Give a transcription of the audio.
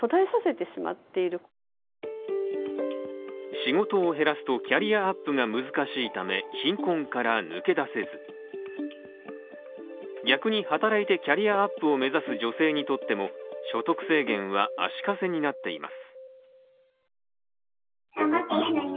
仕事を減らすとキャリアアップが難しいため、貧困から抜け出せず、逆に働いてキャリアアップを目指す女性にとっても所得制限は足かせになっています。